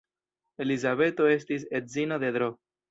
Elizabeto estis edzino de Dro.